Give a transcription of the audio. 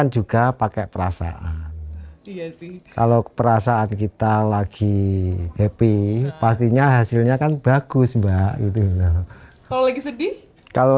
juga pakai perasaan kalau perasaan kita lagi happy pastinya hasilnya kan bagus mbak itu kalau